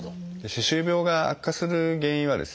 歯周病が悪化する原因はですね